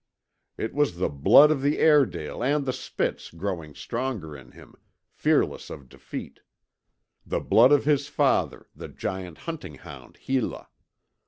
It was the blood of the Airedale and the Spitz growing stronger in him, fearless of defeat; the blood of his father, the giant hunting hound Hela.